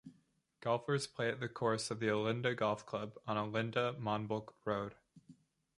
Golfers play at the course of the Olinda Golf Club on Olinda Monbulk Road.